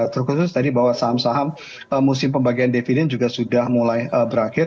terkhusus tadi bahwa saham saham musim pembagian dividen juga sudah mulai berakhir